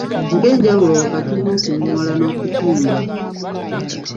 Mpa enjawulo wakati w’okuŋoola n’okukimba..